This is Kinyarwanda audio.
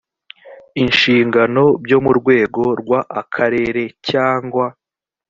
inshingano byo mu rwego rw akarere cyangwa